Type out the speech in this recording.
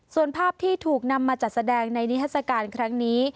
ส่วนภาพที่ถูกนำมาจัดแสดงในนิทัศกาลครั้งนี้